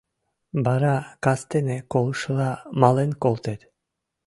Вара кастене колышыла мален колтет.